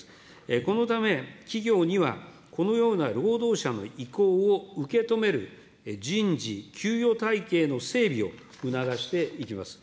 このため、企業にはこのような労働者の意向を受け止める人事、給与体系の整備を促していきます。